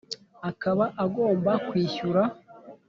akaba agomba kwishyura